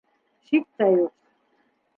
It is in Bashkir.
— Шик тә юҡ.